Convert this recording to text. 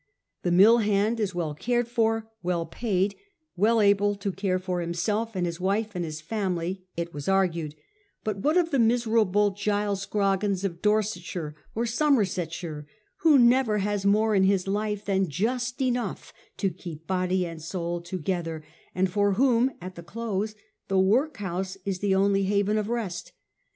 The mill hand is well cared for, well paid, well able to care for himself and his wife and his family, it was argued; but what of the miserable Giles Scroggins of Dorsetshire or Somersetshire, who never has more in all his life tjian just enough to keep body and soul together ; and for whom, at the close, the workhouse is the only haven of rest